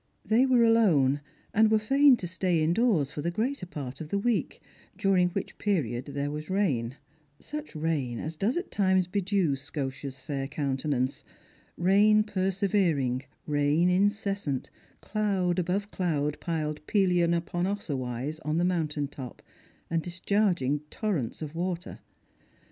They were alone, and were fain to stay indoors for the greater part of the week, week, during which period there was rain ; such rain as does at times bedew Scotia's fair countenance ; rain persevering, rain incessant, cloud above cloud piled Pelion upon Ossa wise on the mountain top, and discharging torrents of water.